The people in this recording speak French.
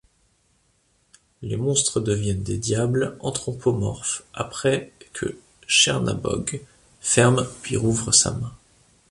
Les monstres deviennent des diables anthropomorphes après que Chernabog ferme puis rouvre sa main.